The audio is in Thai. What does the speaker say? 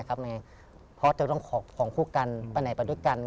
เพราะจะต้องของคู่กันไปไหนไปด้วยกัน